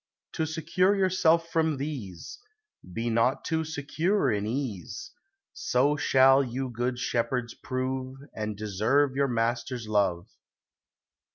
To secure yourself from these, Be not too secure in ease ; So shall you good shepherds prove, And deserve your master's love.